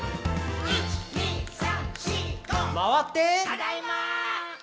「ただいま！」